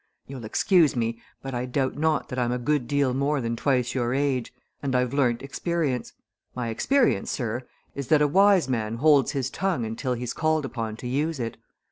You'll excuse me, but I doubt not that I'm a good deal more than twice your age, and I've learnt experience. My experience, sir, is that a wise man holds his tongue until he's called upon to use it.